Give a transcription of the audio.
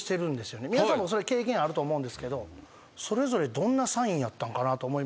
皆さんも経験あると思うんですけどそれぞれどんなサインやったんかなと思いまして。